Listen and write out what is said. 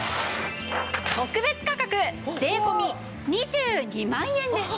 特別価格税込２２万円です。